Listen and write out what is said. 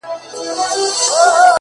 هغه سړی کلونه پس دی ـ راوتلی ښار ته ـ